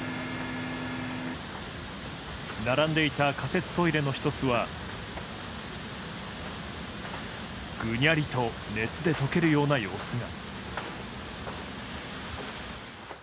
並んでいた仮設トイレの１つはぐにゃりと熱で溶けるような様子が。